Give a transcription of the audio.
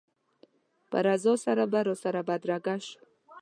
په رضا سره به راسره بدرګه شو.